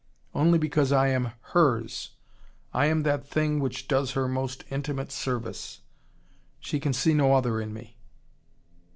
Only because I am HERS. I am that thing which does her most intimate service. She can see no other in me.